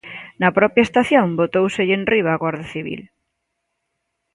Na propia estación, botóuselle enriba a Garda Civil.